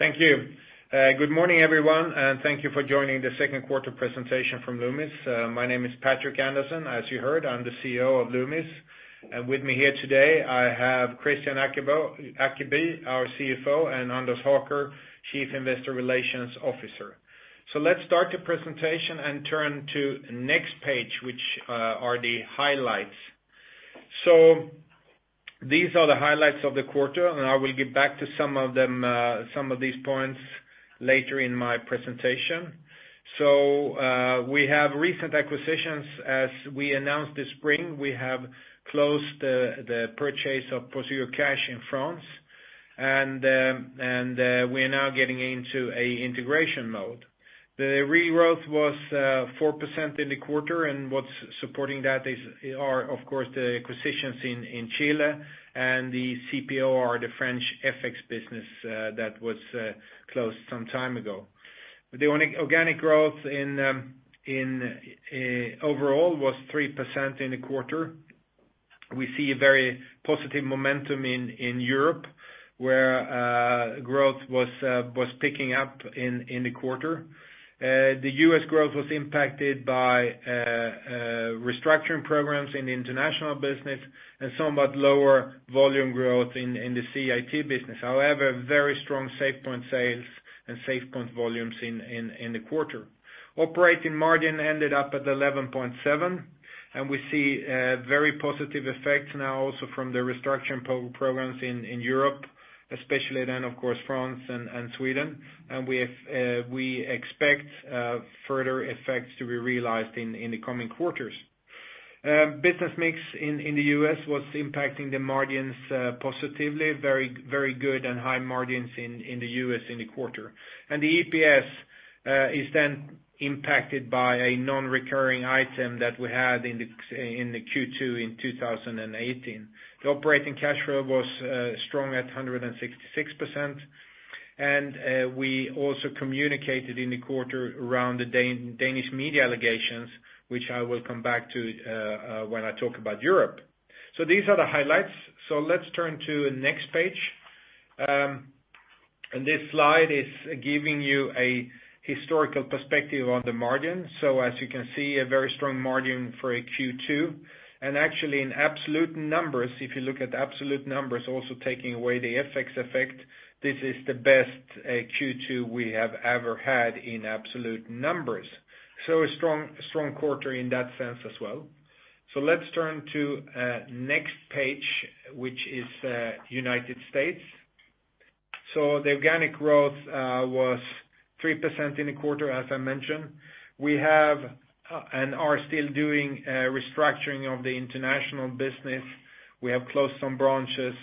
Thank you. Good morning, everyone, and thank you for joining the second quarter presentation from Loomis. My name is Patrik Andersson. As you heard, I'm the CEO of Loomis. With me here today, I have Kristian Ackeby, our CFO, and Anders Håker, Chief Investor Relations Officer. Let's start the presentation and turn to next page, which are the highlights. These are the highlights of the quarter, and I will get back to some of these points later in my presentation. We have recent acquisitions. As we announced this spring, we have closed the purchase of Prosegur Cash in France, and we are now getting into a integration mode. The regrowth was 4% in the quarter, and what's supporting that are, of course, the acquisitions in Chile and the CPoR or the French FX business that was closed some time ago. The organic growth in overall was 3% in the quarter. We see a very positive momentum in Europe, where growth was picking up in the quarter. The U.S. growth was impacted by restructuring programs in the international business and somewhat lower volume growth in the CIT business. Very strong SafePoint sales and SafePoint volumes in the quarter. Operating margin ended up at 11.7%. We see very positive effects now also from the restructuring programs in Europe, especially, of course, France and Sweden. We expect further effects to be realized in the coming quarters. Business mix in the U.S. was impacting the margins positively. Very good and high margins in the U.S. in the quarter. The EPS is impacted by a non-recurring item that we had in the Q2 in 2018. The operating cash flow was strong at 166%. We also communicated in the quarter around the Danish media allegations, which I will come back to when I talk about Europe. These are the highlights. Let's turn to next page. This slide is giving you a historical perspective on the margin. As you can see, a very strong margin for a Q2. Actually, in absolute numbers, if you look at absolute numbers, also taking away the FX effect, this is the best Q2 we have ever had in absolute numbers. A strong quarter in that sense as well. Let's turn to next page, which is United States. The organic growth was 3% in the quarter, as I mentioned. We have and are still doing restructuring of the international business. We have closed some branches.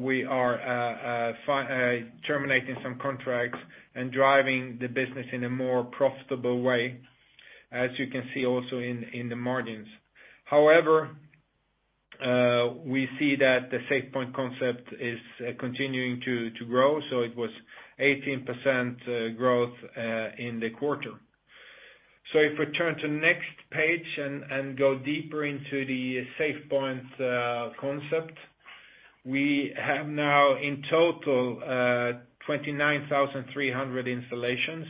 We are terminating some contracts and driving the business in a more profitable way, as you can see also in the margins. However, we see that the SafePoint concept is continuing to grow. It was 18% growth in the quarter. If we turn to next page and go deeper into the SafePoint concept, we have now in total 29,300 installations,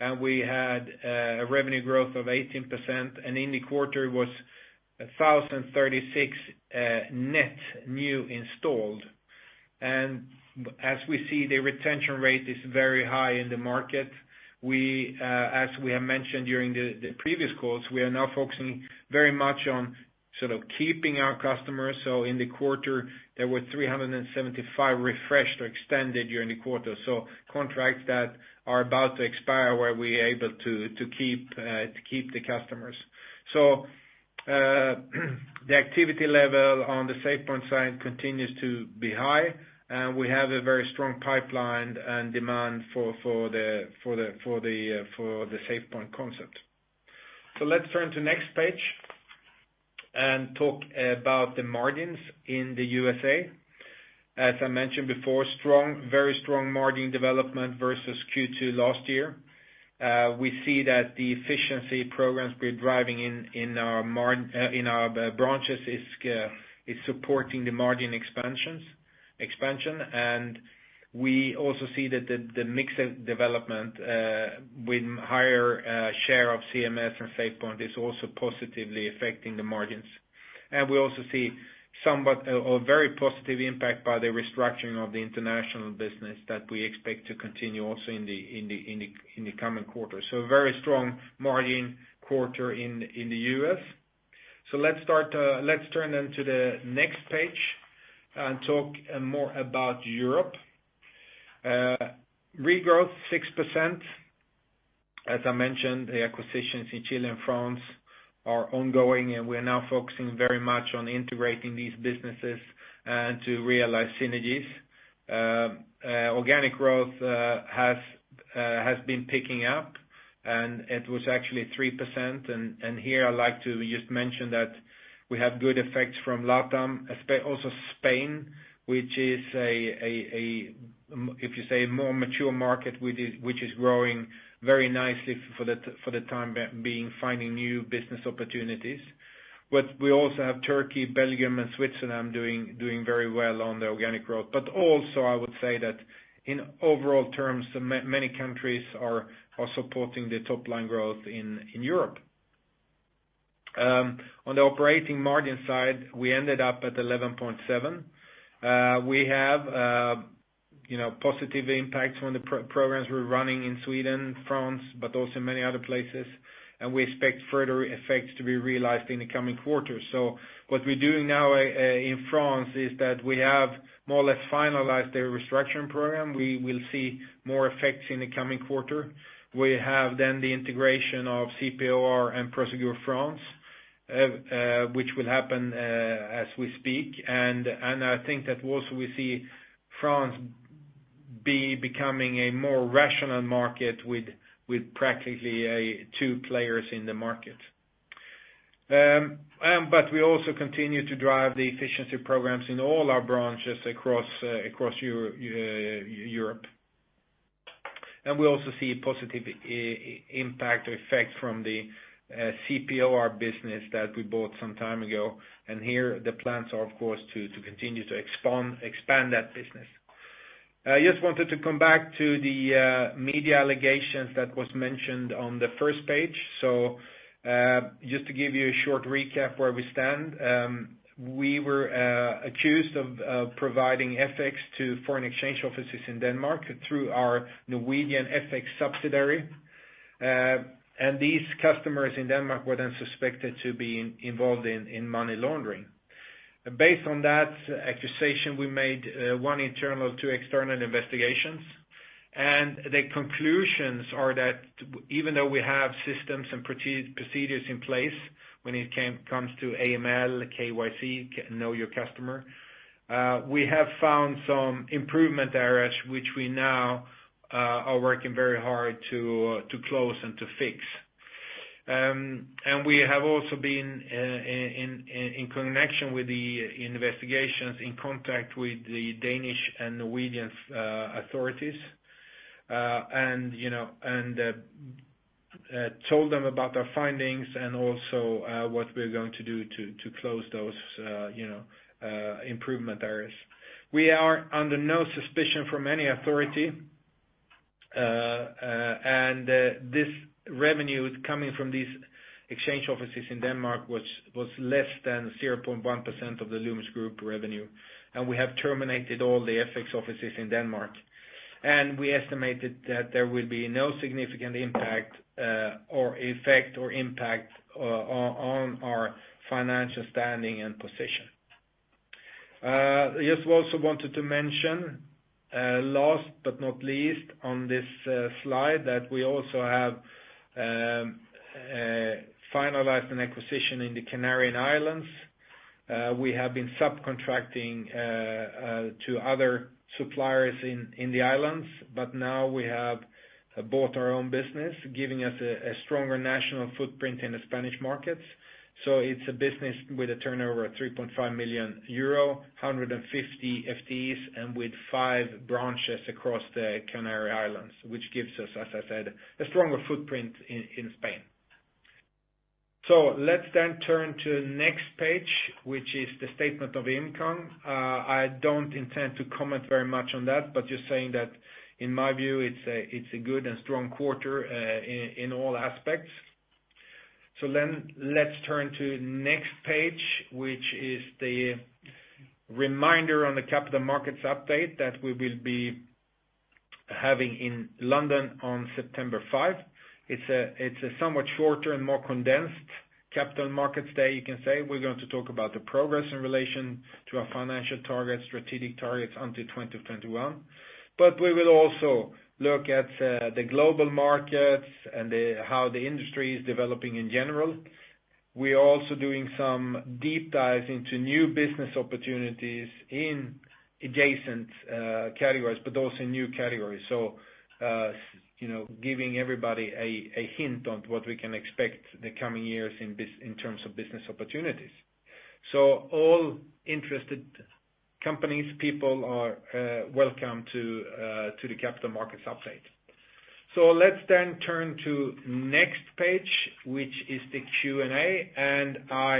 and we had a revenue growth of 18%, and in the quarter it was 1,036 net new installed. As we see, the retention rate is very high in the market. As we have mentioned during the previous calls, we are now focusing very much on keeping our customers. In the quarter, there were 375 refreshed or extended during the quarter. Contracts that are about to expire, were we able to keep the customers. The activity level on the SafePoint side continues to be high, and we have a very strong pipeline and demand for the SafePoint concept. Let's turn to next page and talk about the margins in the U.S.A. As I mentioned before, very strong margin development versus Q2 last year. We see that the efficiency programs we're driving in our branches is supporting the margin expansion. We also see that the mix development with higher share of CMS and SafePoint is also positively affecting the margins. We also see a very positive impact by the restructuring of the international business that we expect to continue also in the coming quarters. A very strong margin quarter in the U.S. Let's turn then to the next page and talk more about Europe. Regrowth 6%. As I mentioned, the acquisitions in Chile and France are ongoing, and we are now focusing very much on integrating these businesses and to realize synergies. Organic growth has been picking up. It was actually 3%. Here I'd like to just mention that we have good effects from LATAM, also Spain, which is, if you say, a more mature market which is growing very nicely for the time being, finding new business opportunities. We also have Turkey, Belgium, and Switzerland doing very well on the organic growth. Also, I would say that in overall terms, many countries are supporting the top-line growth in Europe. On the operating margin side, we ended up at 11.7%. We have positive impacts from the programs we're running in Sweden, France, but also many other places, and we expect further effects to be realized in the coming quarters. What we're doing now in France is that we have more or less finalized the restructuring program. We will see more effects in the coming quarter. The integration of CPoR and Prosegur France, which will happen as we speak. I think that also we see France becoming a more rational market with practically two players in the market. We also continue to drive the efficiency programs in all our branches across Europe. We also see positive impact or effect from the CPoR business that we bought some time ago. Here the plans are, of course, to continue to expand that business. I just wanted to come back to the media allegations that was mentioned on the first page. Just to give you a short recap where we stand. We were accused of providing FX to foreign exchange offices in Denmark through our Norwegian FX subsidiary. These customers in Denmark were then suspected to be involved in money laundering. Based on that accusation, we made one internal, two external investigations. The conclusions are that even though we have systems and procedures in place when it comes to AML, KYC, know your customer, we have found some improvement areas which we now are working very hard to close and to fix. We have also been, in connection with the investigations, in contact with the Danish and Norwegian authorities. Told them about our findings and also what we are going to do to close those improvement areas. We are under no suspicion from any authority. This revenue coming from these exchange offices in Denmark was less than 0.1% of the Loomis Group revenue. We have terminated all the FX offices in Denmark. We estimated that there will be no significant effect or impact on our financial standing and position. I just also wanted to mention, last but not least on this slide, that we also have finalized an acquisition in the Canary Islands. We have been subcontracting to other suppliers in the islands, but now we have bought our own business, giving us a stronger national footprint in the Spanish markets. It's a business with a turnover of 3.5 million euro, 150 FTEs, and with five branches across the Canary Islands, which gives us, as I said, a stronger footprint in Spain. Let's then turn to next page, which is the statement of income. I don't intend to comment very much on that, but just saying that in my view it's a good and strong quarter in all aspects. Let's turn to next page, which is the reminder on the capital markets update that we will be having in London on September 5. It's a somewhat shorter and more condensed capital markets day you can say. We're going to talk about the progress in relation to our financial targets, strategic targets until 2021. We will also look at the global markets and how the industry is developing in general. We are also doing some deep dives into new business opportunities in adjacent categories, but also in new categories. Giving everybody a hint on what we can expect the coming years in terms of business opportunities. All interested companies, people are welcome to the capital markets update. Let's turn to next page, which is the Q&A, and I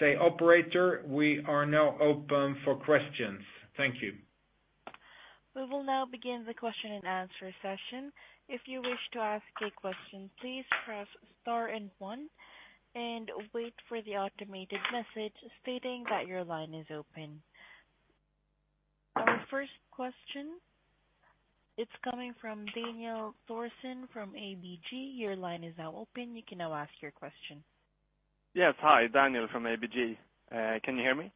say, operator, we are now open for questions. Thank you. We will now begin the question and answer session. If you wish to ask a question, please press star and one and wait for the automated message stating that your line is open. Our first question, it's coming from Daniel Thorsson from ABG. Your line is now open. You can now ask your question. Yes. Hi, Daniel from ABG. Can you hear me?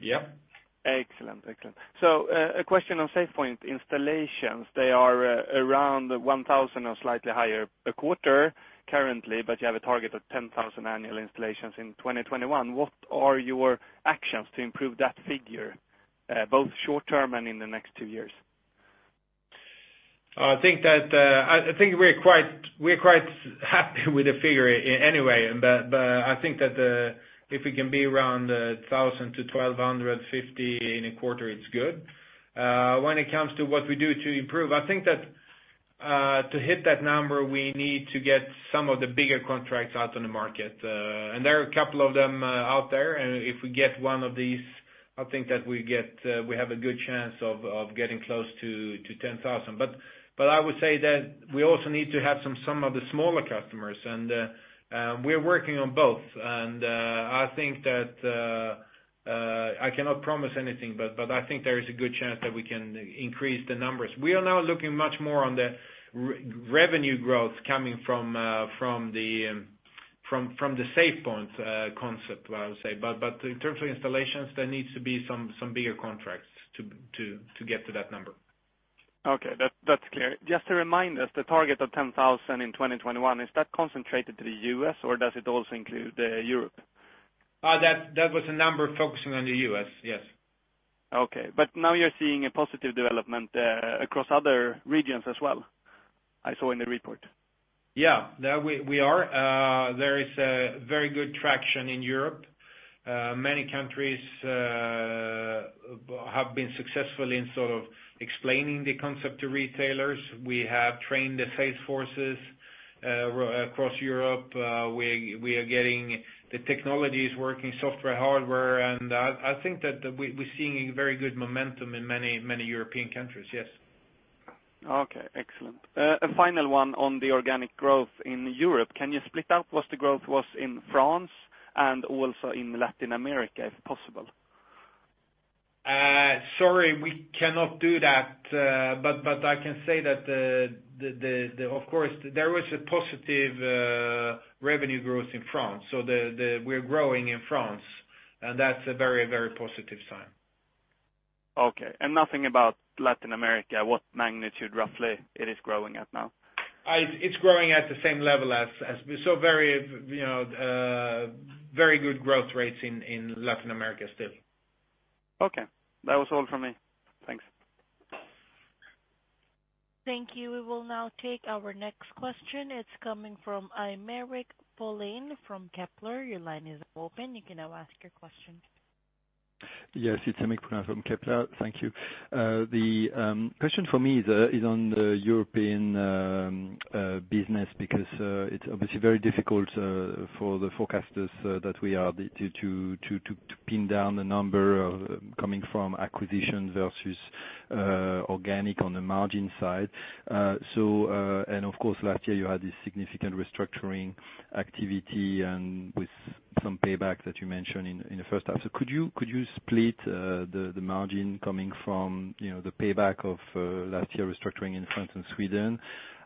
Yep. Excellent. A question on SafePoint installations. They are around 1,000 or slightly higher per quarter currently, but you have a target of 10,000 annual installations in 2021. What are your actions to improve that figure, both short-term and in the next two years? I think we're quite happy with the figure anyway, but I think that if we can be around 1,000 to 1,250 in a quarter it's good. When it comes to what we do to improve, I think that to hit that number we need to get some of the bigger contracts out on the market. There are a couple of them out there, and if we get one of these I think that we have a good chance of getting close to 10,000. I would say that we also need to have some of the smaller customers, and we are working on both. I think that I cannot promise anything, but I think there is a good chance that we can increase the numbers. We are now looking much more on the revenue growth coming from the SafePoint concept, I would say. In terms of installations, there needs to be some bigger contracts to get to that number. Okay. That's clear. Just to remind us, the target of 10,000 in 2021, is that concentrated to the U.S. or does it also include Europe? That was a number focusing on the U.S., yes. Okay. Now you're seeing a positive development there across other regions as well, I saw in the report. Yeah. We are. There is a very good traction in Europe. Many countries have been successful in sort of explaining the concept to retailers. We have trained the sales forces across Europe. We are getting the technologies working software, hardware, and I think that we're seeing very good momentum in many European countries, yes. Okay, excellent. A final one on the organic growth in Europe. Can you split out what the growth was in France and also in Latin America, if possible? Sorry, we cannot do that. I can say that of course, there was a positive revenue growth in France, so we are growing in France, and that's a very positive sign. Okay, nothing about Latin America, what magnitude roughly it is growing at now? It's growing at the same level as we saw very good growth rates in Latin America still. Okay. That was all from me. Thanks. Thank you. We will now take our next question. It's coming from Aymeric Poulain from Kepler. Your line is open. You can now ask your question. Yes, it's Aymeric Poulain from Kepler. Thank you. The question for me is on the European business because it's obviously very difficult for the forecasters that we are to pin down the number of coming from acquisition versus organic on the margin side. Of course, last year you had this significant restructuring activity and with some payback that you mentioned in the first half. Could you split the margin coming from the payback of last year restructuring in France and Sweden,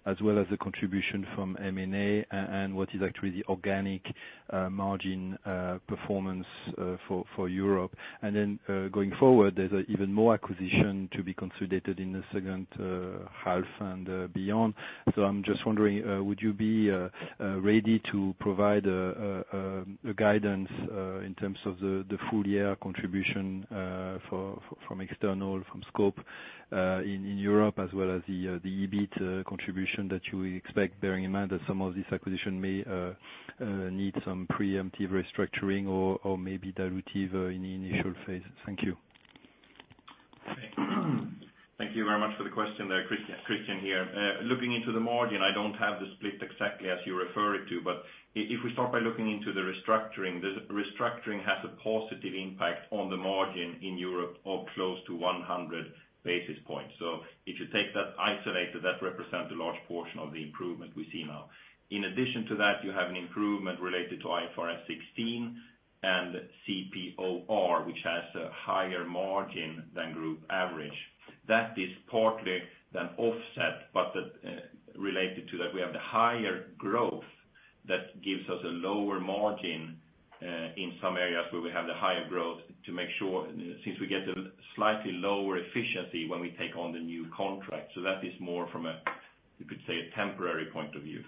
as well as the contribution from M&A and what is actually the organic margin performance for Europe? Going forward, there's even more acquisition to be consolidated in the second half and beyond. I'm just wondering, would you be ready to provide a guidance in terms of the full year contribution from external, from scope in Europe as well as the EBIT contribution that you expect, bearing in mind that some of these acquisition may need some preemptive restructuring or maybe dilutive in the initial phase? Thank you. Thank you very much for the question there. Kristian here. Looking into the margin, I don't have the split exactly as you refer it to. If we start by looking into the restructuring, the restructuring has a positive impact on the margin in Europe of close to 100 basis points. If you take that isolated, that represent a large portion of the improvement we see now. In addition to that, you have an improvement related to IFRS 16 and CPoR, which has a higher margin than group average. That is partly then offset. Related to that, we have the higher growth that gives us a lower margin in some areas where we have the higher growth to make sure, since we get a slightly lower efficiency when we take on the new contract. That is more from you could say, a temporary point of view.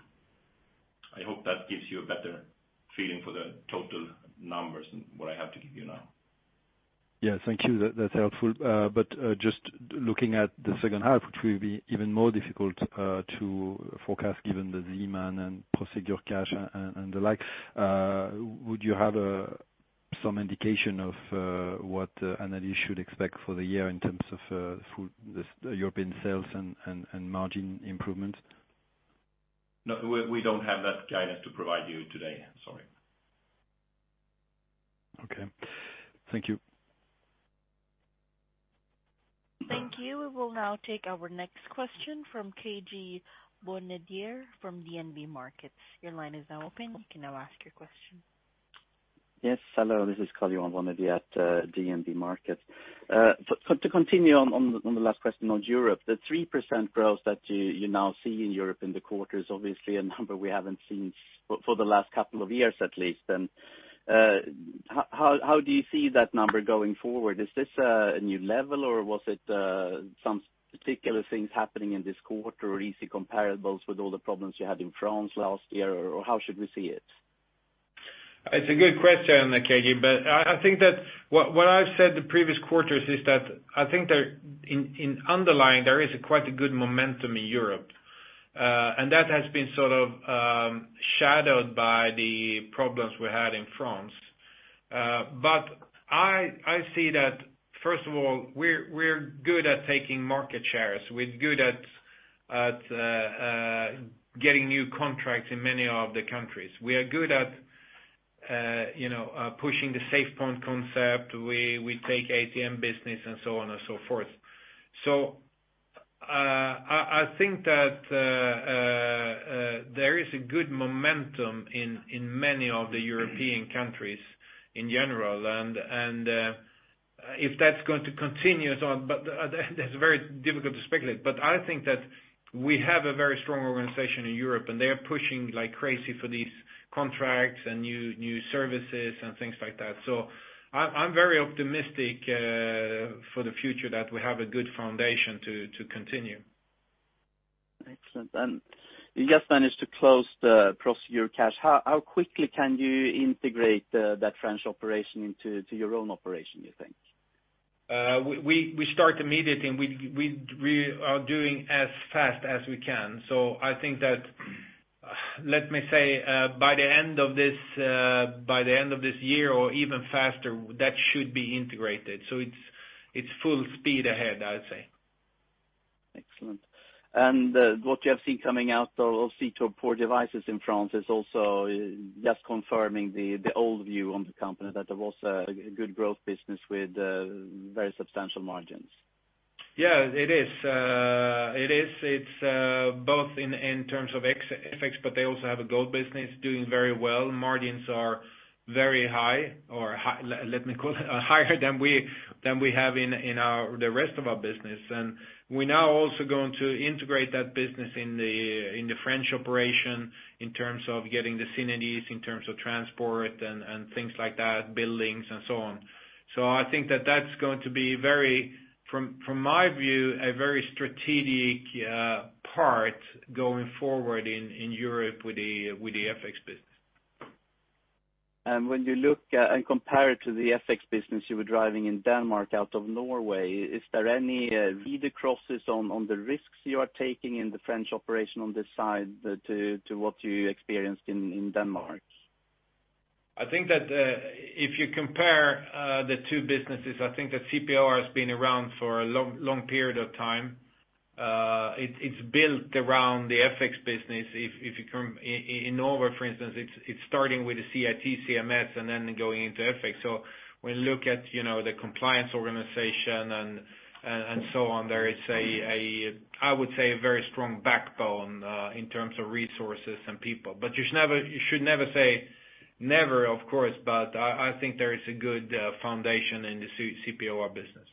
I hope that gives you a better feeling for the total numbers than what I have to give you now. Yeah. Thank you. That's helpful. Just looking at the second half, which will be even more difficult to forecast given the demand and Prosegur Cash and the like, would you have some indication of what analysts should expect for the year in terms of full European sales and margin improvement? No, we don't have that guidance to provide you today. Sorry. Okay. Thank you. Thank you. We will now take our next question from KJ Bonnevier from DNB Markets. Your line is now open. You can now ask your question. Yes. Hello, this is KJ Bonnevier at DNB Markets. To continue on the last question on Europe, the 3% growth that you now see in Europe in the quarter is obviously a number we haven't seen for the last couple of years at least. How do you see that number going forward? Is this a new level or was it some particular things happening in this quarter or easy comparables with all the problems you had in France last year, or how should we see it? It's a good question there, KJ. I think that what I've said the previous quarters is that I think that in underlying, there is quite a good momentum in Europe. That has been sort of shadowed by the problems we had in France. I see that first of all, we're good at getting new contracts in many of the countries. We are good at pushing the SafePoint concept. We take ATM business and so on and so forth. I think that there is a good momentum in many of the European countries in general, and if that's going to continue on, but that's very difficult to speculate. I think that we have a very strong organization in Europe, and they are pushing like crazy for these contracts and new services and things like that. I'm very optimistic for the future that we have a good foundation to continue. Excellent. You just managed to close the Prosegur Cash. How quickly can you integrate that French operation into your own operation, you think? We start immediately. We are doing as fast as we can. I think that, let me say, by the end of this year or even faster, that should be integrated. It's full speed ahead, I would say. Excellent. What you have seen coming out of CPoR Devises in France is also just confirming the old view on the company, that it was a good growth business with very substantial margins. Yeah, it is. It's both in terms of FX, but they also have a gold business doing very well. Margins are very high or let me call it higher than we have in the rest of our business. We now also going to integrate that business in the French operation in terms of getting the synergies, in terms of transport and things like that, buildings and so on. I think that's going to be, from my view, a very strategic part going forward in Europe with the FX business. When you look and compare it to the FX business you were driving in Denmark out of Norway, is there any read-acrosses on the risks you are taking in the French operation on this side to what you experienced in Denmark? I think that if you compare the two businesses, I think that CPoR has been around for a long period of time. It's built around the FX business. In Norway, for instance, it's starting with the CIT CMS and then going into FX. When you look at the compliance organization and so on, there is, I would say, a very strong backbone in terms of resources and people. You should never say never, of course, but I think there is a good foundation in the CPoR business.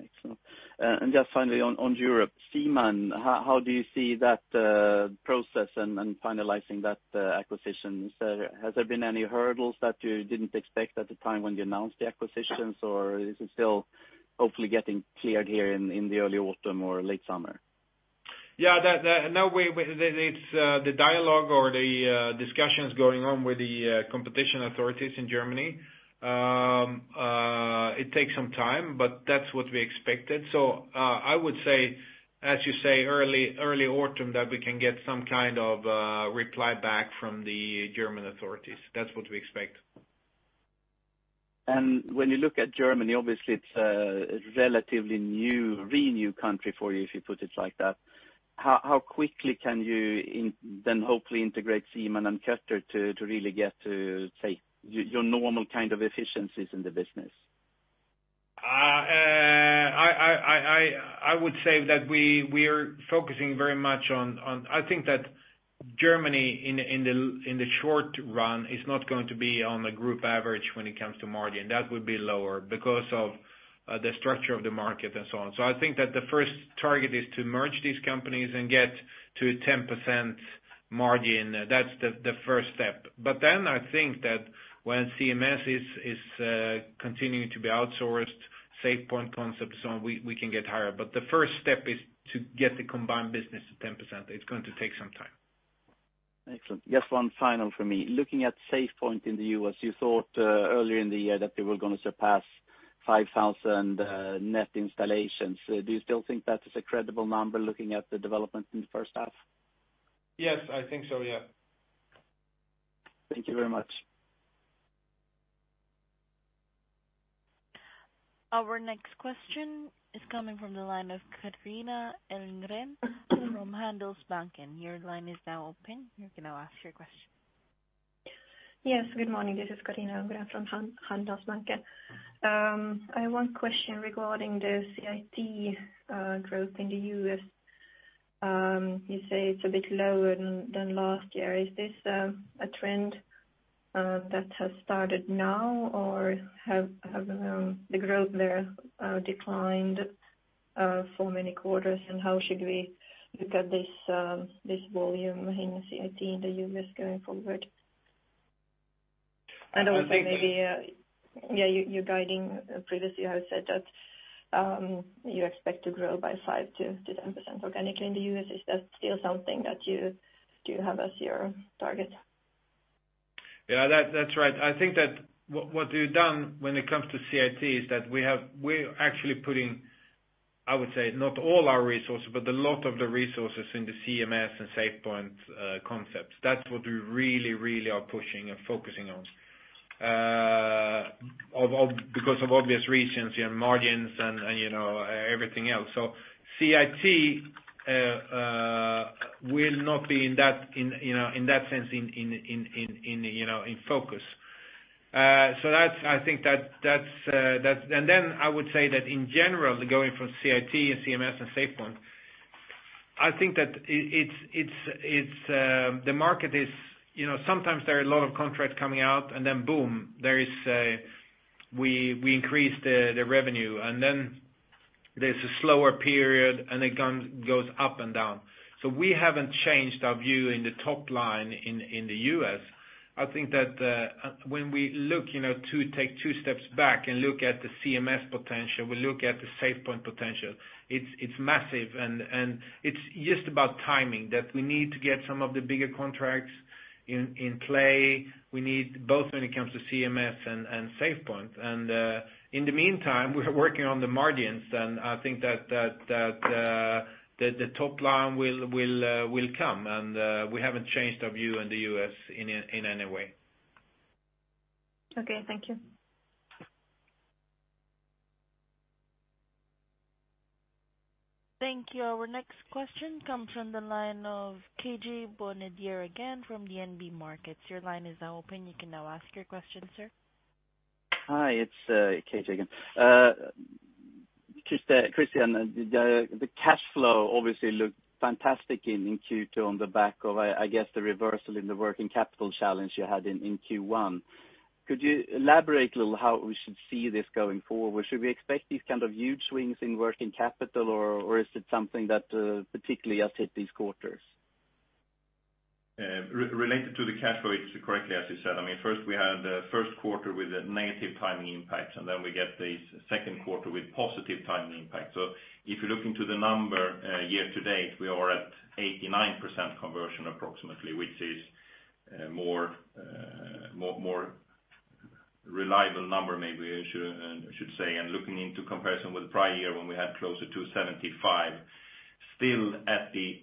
Excellent. Just finally on Europe. Ziemann, how do you see that process and finalizing that acquisition? Has there been any hurdles that you didn't expect at the time when you announced the acquisitions, or is it still hopefully getting cleared here in the early autumn or late summer? Yeah. No, it's the dialogue or the discussions going on with the competition authorities in Germany. It takes some time, but that's what we expected. I would say, as you say, early autumn, that we can get some kind of reply back from the German authorities. That's what we expect. When you look at Germany, obviously it's a relatively new country for you, if you put it like that. How quickly can you hopefully integrate Ziemann and Kötter to really get to, say, your normal kind of efficiencies in the business? I would say that we are focusing very much. I think that Germany in the short run is not going to be on the Group average when it comes to margin. That would be lower because of the structure of the market and so on. I think that the first target is to merge these companies and get to 10% margin. That's the first step. I think that when CMS is continuing to be outsourced, SafePoint concept and so on, we can get higher. The first step is to get the combined business to 10%. It's going to take some time. Excellent. Just one final from me. Looking at SafePoint in the U.S., you thought earlier in the year that they were going to surpass 5,000 net installations. Do you still think that is a credible number looking at the development in the first half? Yes, I think so, yeah. Thank you very much. Our next question is coming from the line of Carina Elmgren from Handelsbanken. Your line is now open. You can now ask your question. Good morning. This is Carina Elmgren from Handelsbanken. I have one question regarding the CIT growth in the U.S. You say it's a bit lower than last year. Is this a trend that has started now or have the growth there declined for many quarters, and how should we look at this volume in CIT in the U.S. going forward? Also maybe, you're guiding, previously you have said that you expect to grow by 5%-10% organically in the U.S. Is that still something that you do have as your target? Yeah, that's right. I think that what we've done when it comes to CIT is that we're actually putting, I would say, not all our resources, but a lot of the resources in the CMS and SafePoint concepts. That's what we really are pushing and focusing on. Because of obvious reasons, margins and everything else. CIT will not be in that sense in focus. I would say that in general, going from CIT and CMS and SafePoint, I think that the market is, sometimes there are a lot of contracts coming out and then boom, we increase the revenue, and then there's a slower period and it goes up and down. We haven't changed our view in the top line in the U.S. I think that when we take two steps back and look at the CMS potential, we look at the SafePoint potential, it's massive, and it's just about timing, that we need to get some of the bigger contracts in play. We need both when it comes to CMS and SafePoint. In the meantime, we're working on the margins, and I think that the top line will come and we haven't changed our view in the U.S. in any way. Okay. Thank you. Thank you. Our next question comes from the line of K.J. Bonnevier again from DNB Markets. Your line is now open. You can now ask your question, sir. Hi, it's K.J. again. Kristian, the cash flow obviously looked fantastic in Q2 on the back of, I guess, the reversal in the working capital challenge you had in Q1. Could you elaborate a little how we should see this going forward? Should we expect these kind of huge swings in working capital, or is it something that particularly has hit these quarters? Related to the cash flow, it's correctly, as you said, first we had the first quarter with a negative timing impact, then we get the second quarter with positive timing impact. If you look into the number year-to-date, we are at 89% conversion approximately, which is more reliable number, maybe I should say. Looking into comparison with prior year when we had closer to 75%. Still at the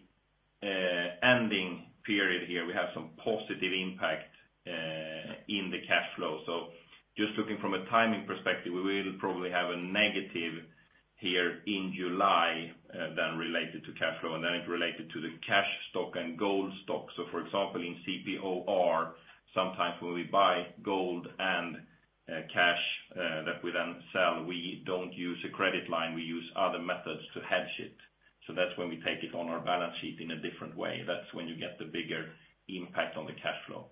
ending period here, we have some positive impact in the cash flow. Just looking from a timing perspective, we will probably have a negative here in July then related to cash flow, then it related to the cash stock and gold stock. For example, in CPoR, sometimes when we buy gold and cash that we then sell, we don't use a credit line, we use other methods to hedge it. That's when we take it on our balance sheet in a different way. That's when you get the bigger impact on the cash flow.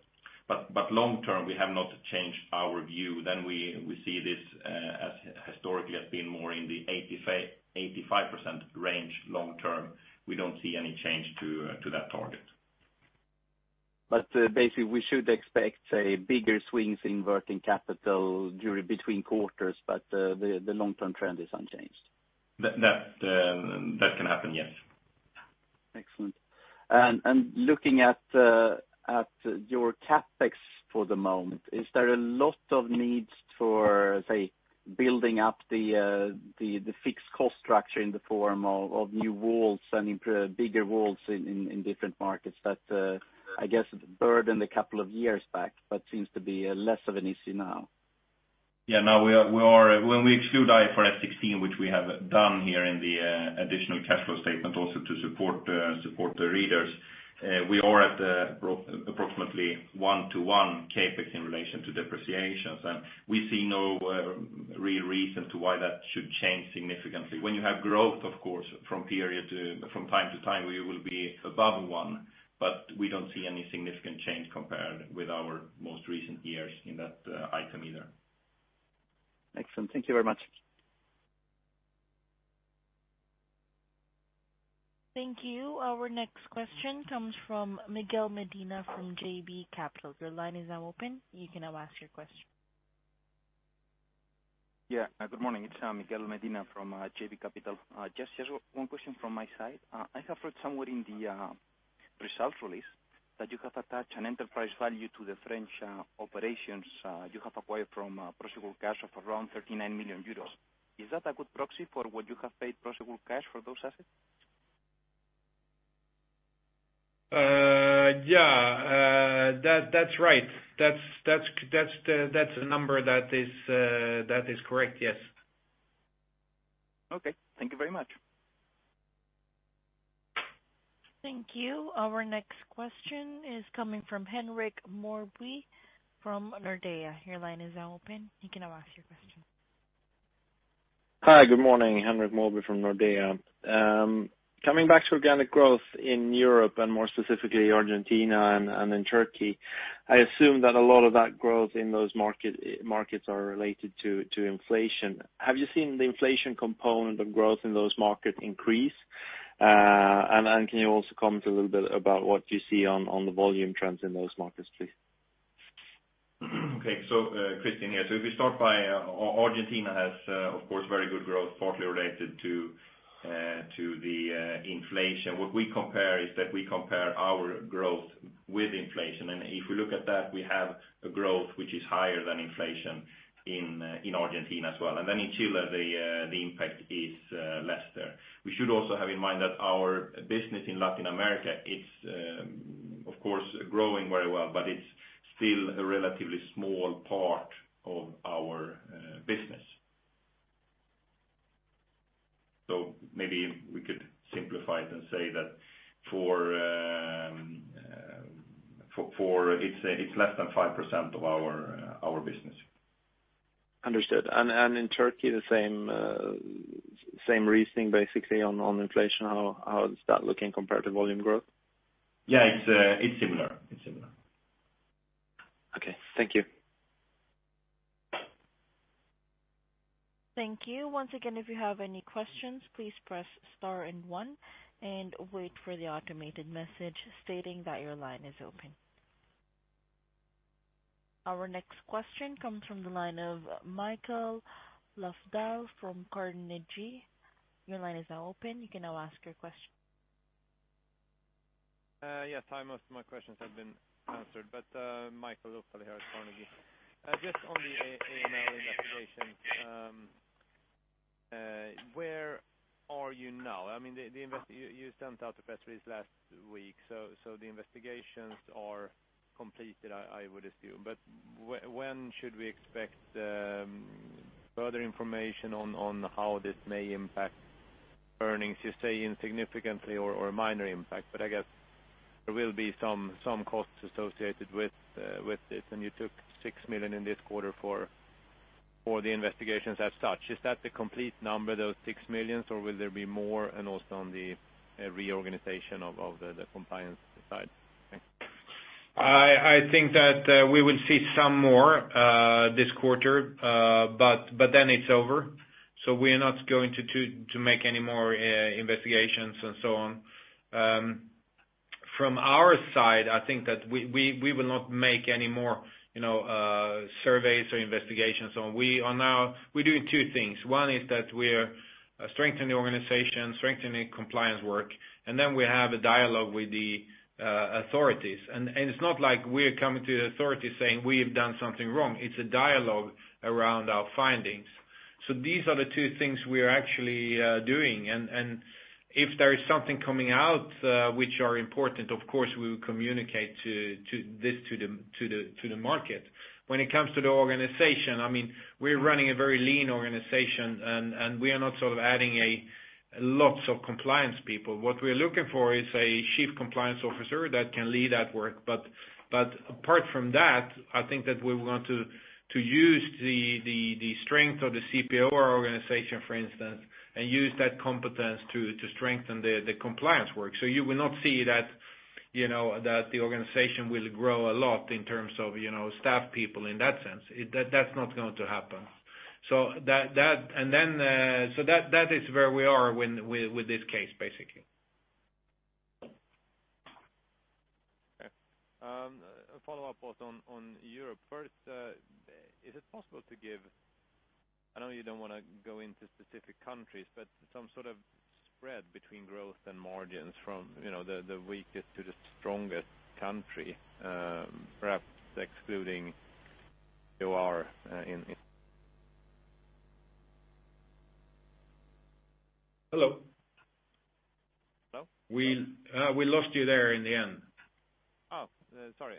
Long term, we have not changed our view. We see this as historically has been more in the 85% range long term. We don't see any change to that target. Basically, we should expect, say, bigger swings in working capital between quarters, but the long-term trend is unchanged. That can happen, yes. Excellent. Looking at your CapEx for the moment, is there a lot of needs for, say, building up the fixed cost structure in the form of new walls and bigger walls in different markets that, I guess, burdened a couple of years back, but seems to be less of an issue now? Yeah. When we exclude IFRS 16, which we have done here in the additional cash flow statement also to support the readers, we are at approximately 1 to 1 CapEx in relation to depreciations. We see no real reason to why that should change significantly. When you have growth, of course, from time to time, we will be above 1, but we don't see any significant change compared with our most recent years in that item either. Excellent. Thank you very much. Thank you. Our next question comes from Miguel Medina from JB Capital. Your line is now open. You can now ask your question. Yeah. Good morning. It's Miguel Medina from JB Capital. Just one question from my side. I have read somewhere in the results release that you have attached an enterprise value to the French operations you have acquired from Prosegur Cash of around 39 million euros. Is that a good proxy for what you have paid Prosegur Cash for those assets? Yeah. That's right. That's the number that is correct, yes. Okay. Thank you very much. Thank you. Our next question is coming from Henrik Morby from Nordea. Your line is now open. You can now ask your question. Hi, good morning. Henrik Morby from Nordea. Coming back to organic growth in Europe and more specifically Argentina and in Turkey, I assume that a lot of that growth in those markets are related to inflation. Have you seen the inflation component of growth in those markets increase? Can you also comment a little bit about what you see on the volume trends in those markets, please? Okay. Kristian here. If we start by Argentina has, of course, very good growth, partly related to the inflation. What we compare is that we compare our growth with inflation. If we look at that, we have a growth which is higher than inflation in Argentina as well. In Chile, the impact is less there. We should also have in mind that our business in Latin America, it's Of course, growing very well, but it is still a relatively small part of our business. Maybe we could simplify it and say that it is less than 5% of our business. Understood. In Turkey, the same reasoning, basically, on inflation. How is that looking compared to volume growth? Yeah, it's similar. Okay. Thank you. Thank you. Once again, if you have any questions, please press star and one, and wait for the automated message stating that your line is open. Our next question comes from the line of Mikael Löfdahl from Carnegie. Your line is now open. You can now ask your question. Yes. Hi. Most of my questions have been answered. Mikael Löfdahl here at Carnegie. Just on the AML investigation, where are you now? You sent out a press release last week, the investigations are completed, I would assume. When should we expect further information on how this may impact earnings? You say insignificantly or a minor impact, I guess there will be some costs associated with this, and you took 6 million in this quarter for the investigations as such. Is that the complete number, those 6 millions, or will there be more? Also on the reorganization of the compliance side. Thanks. I think that we will see some more this quarter. Then it's over. We are not going to make any more investigations and so on. From our side, I think that we will not make any more surveys or investigations. We're doing two things. One is that we're strengthening the organization, strengthening compliance work. Then we have a dialogue with the authorities. It's not like we're coming to the authorities saying we have done something wrong. It's a dialogue around our findings. These are the two things we are actually doing. If there is something coming out, which are important, of course, we will communicate this to the market. When it comes to the organization, we're running a very lean organization. We are not adding lots of compliance people. What we are looking for is a chief compliance officer that can lead that work. Apart from that, I think that we want to use the strength of the CPoR organization, for instance, and use that competence to strengthen the compliance work. You will not see that the organization will grow a lot in terms of staff people in that sense. That's not going to happen. That is where we are with this case, basically. Okay. A follow-up both on Europe. First, is it possible to give, I know you don't want to go into specific countries, but some sort of spread between growth and margins from the weakest to the strongest country, perhaps excluding? Hello? Hello? We lost you there in the end. Oh, sorry.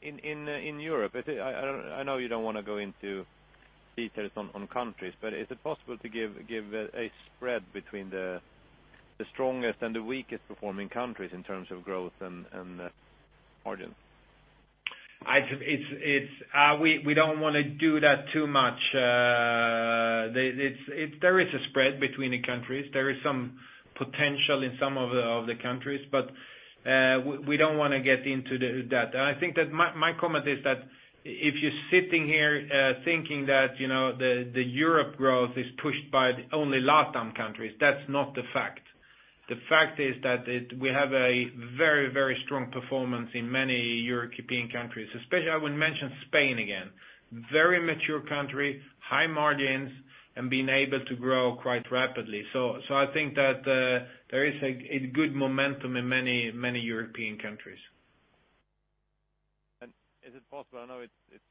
In Europe, I know you don't want to go into details on countries, but is it possible to give a spread between the strongest and the weakest performing countries in terms of growth and margins? We don't want to do that too much. There is a spread between the countries. There is some potential in some of the countries, but we don't want to get into that. I think that my comment is that if you're sitting here thinking that the Europe growth is pushed by only LatAm countries, that's not the fact. The fact is that we have a very strong performance in many European countries, especially I would mention Spain again. Very mature country, high margins, and being able to grow quite rapidly. I think that there is a good momentum in many European countries. Is it possible, I know it's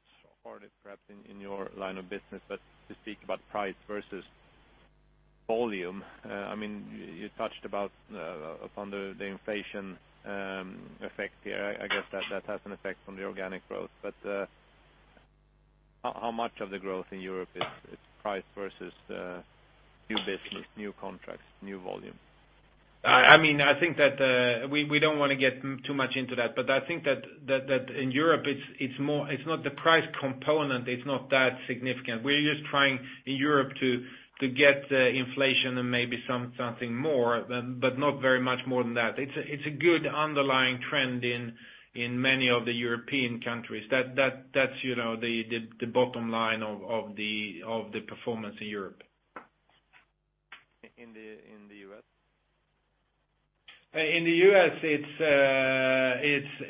hard perhaps in your line of business, but to speak about price versus volume? You touched upon the inflation effect here. I guess that has an effect on the organic growth. How much of the growth in Europe is price versus new business, new contracts, new volume? I think that we don't want to get too much into that. I think that in Europe, the price component is not that significant. We're just trying in Europe to get inflation and maybe something more, but not very much more than that. It's a good underlying trend in many of the European countries. That's the bottom line of the performance in Europe. In the U.S.? In the U.S.,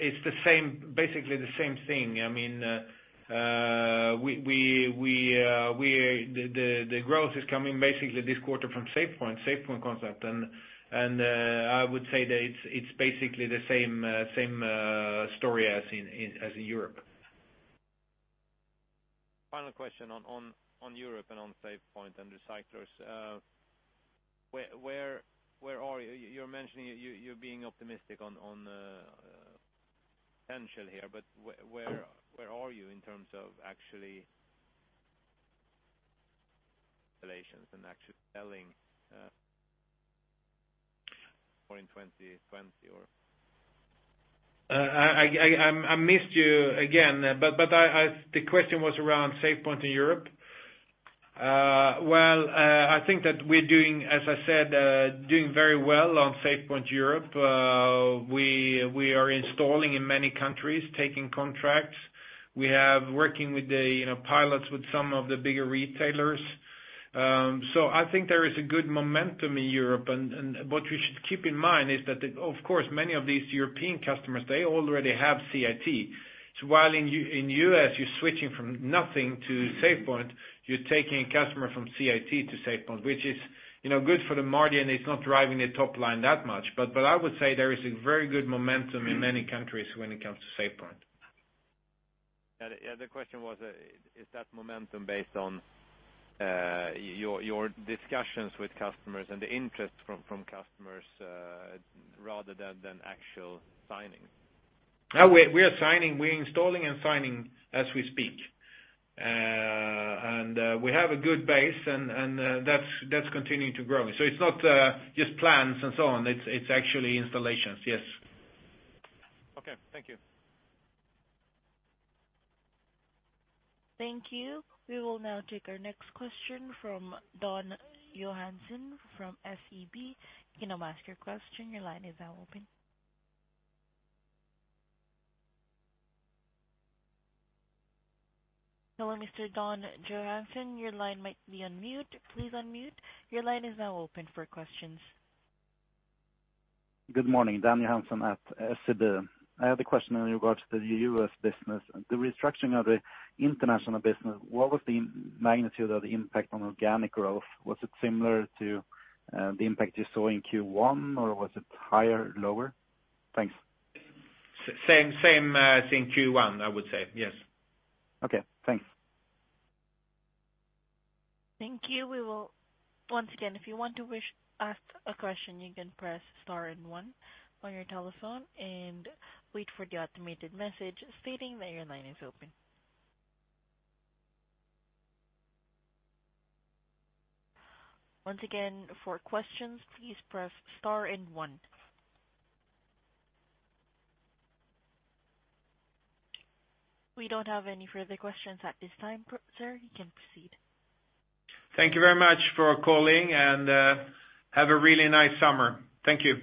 it's basically the same thing. The growth is coming basically this quarter from SafePoint concept, and I would say that it's basically the same story as in Europe. Final question on Europe and on SafePoint and recyclers. You're being optimistic on the potential here, but where are you in terms of actually installations and actually selling? I missed you again, but the question was around SafePoint in Europe? Well, I think that we're doing, as I said, doing very well on SafePoint Europe. We are installing in many countries, taking contracts. We are working with the pilots with some of the bigger retailers. I think there is a good momentum in Europe, and what we should keep in mind is that, of course, many of these European customers, they already have CIT. While in U.S., you're switching from nothing to SafePoint, you're taking a customer from CIT to SafePoint, which is good for the margin. It's not driving the top line that much. I would say there is a very good momentum in many countries when it comes to SafePoint. Yeah. The question was, is that momentum based on your discussions with customers and the interest from customers rather than actual signings? No, we are installing and signing as we speak. We have a good base and that's continuing to grow. It's not just plans and so on. It's actually installations, yes. Okay. Thank you. Thank you. We will now take our next question from Dan Johansson from SEB. You can now ask your question. Your line is now open. Hello, Mr. Dan Johansson. Your line might be on mute. Please unmute. Your line is now open for questions. Good morning. Dan Johansson at SEB. I have a question in regards to the U.S. business. The restructuring of the international business, what was the magnitude of the impact on organic growth? Was it similar to the impact you saw in Q1, or was it higher, lower? Thanks. Same as in Q1, I would say. Yes. Okay, thanks. Thank you. Once again, if you want to ask a question, you can press star and one on your telephone and wait for the automated message stating that your line is open. Once again, for questions, please press star and one. We don't have any further questions at this time, sir. You can proceed. Thank you very much for calling, and have a really nice summer. Thank you.